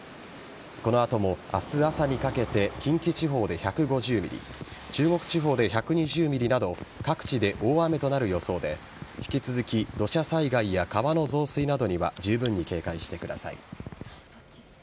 この後も明日朝にかけて近畿地方で１５０ｍｍ中国地方で１２０ｍｍなど各地で大雨となる予想で引き続き土砂災害や川の増水などにはじゅうぶんに警戒してください。